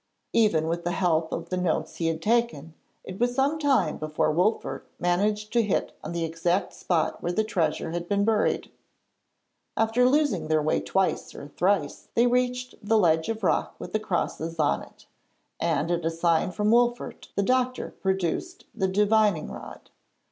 Even with the help of the notes he had taken, it was some time before Wolfert managed to hit on the exact spot where the treasure had been buried. After losing their way twice or thrice they reached the ledge of rock with the crosses on it, and at a sign from Wolfert the doctor produced the divining rod.